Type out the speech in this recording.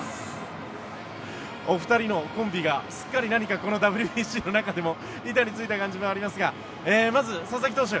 お二人のコンビがすっかり何かこのＷＢＣの中でも板についた感じもありますがまず佐々木投手